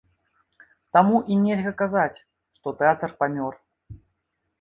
Таму і нельга казаць, што тэатр памёр.